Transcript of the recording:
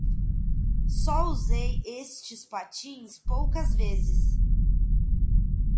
Só usei estes patins poucas vezes.